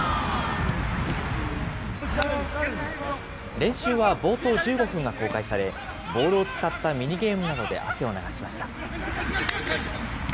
練習は冒頭１５分が公開され、ボールを使ったミニゲームなどで汗を流しました。